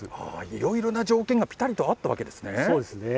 いろいろな条件がぴたりと合ったわけですね。